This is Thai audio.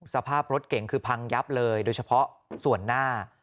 สภาพรถเก่งคือพังยับเลยโดยเฉพาะส่วนหน้า